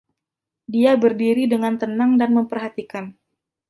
Dia berdiri dengan tenang dan memperhatikan.